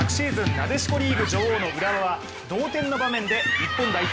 なでしこリーグ女王の浦和は同点の場面で日本代表